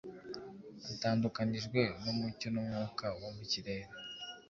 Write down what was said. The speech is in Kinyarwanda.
atandukanijwe n’umucyo n’umwuka wo mu kirere,